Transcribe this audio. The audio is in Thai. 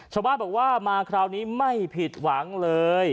ชาวบ้านบอกว่ามาคราวนี้ไม่ผิดหวังเลย